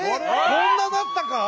こんななったか？